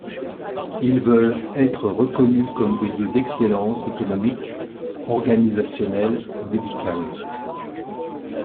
Ils veulent être reconnus comme des lieux d’excellence économique, organisationnelle et médicale.